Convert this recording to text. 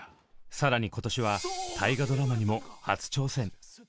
更に今年は大河ドラマにも初挑戦。